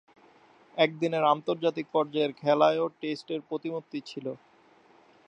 একদিনের আন্তর্জাতিক পর্যায়ের খেলায়ও টেস্টের প্রতিমূর্তি ছিল।